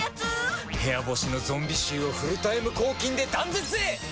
部屋干しのゾンビ臭をフルタイム抗菌で断絶へ！